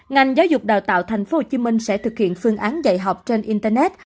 ngành giáo dục đào tạo tp hcm sẽ thực hiện phương án dạy học trên internet